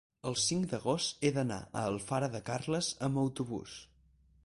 el cinc d'agost he d'anar a Alfara de Carles amb autobús.